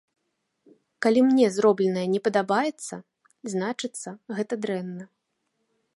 Калі мне зробленае не падабаецца, значыцца, гэта дрэнна.